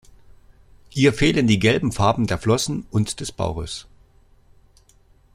Ihr fehlen die gelben Farben der Flossen und des Bauches.